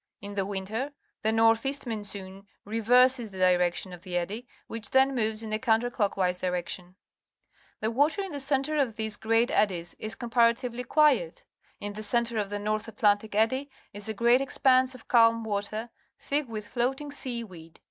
In the "winter, the north east monsoon reverses the direction of the eddy, which then moves in a counter clockwise direction. IEli£_wateii._in__the^ centi'e^ of these gr eat eddies is comparatively quiet. In the centre ofthe North Atlantic Eddy is a great expanse of ca lm water, thick with floating sea weed.